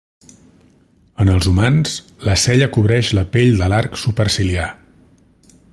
En els humans, la cella cobreix la pell de l'arc superciliar.